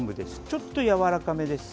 ちょっとやわらかめです。